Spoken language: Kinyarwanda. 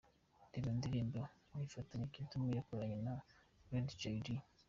Reba indirimbo " Nitafanya" Kidumu yakoranye na Lady Jay Dee.